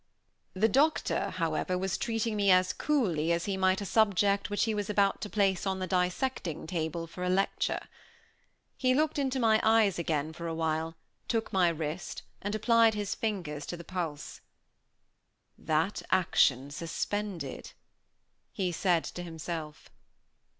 The doctor, however, was treating me as coolly as he might a subject which he was about to place on the dissecting table for a lecture. He looked into my eyes again for awhile, took my wrist, and applied his fingers to the pulse. "That action suspended," he said to himself.